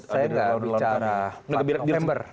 saya nggak bicara empat november